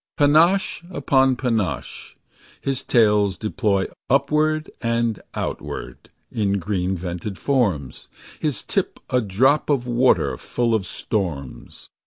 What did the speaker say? Panache upon panache, his tails deploy Upward and outward, in green vented forms. His tip a drop of water full of storms.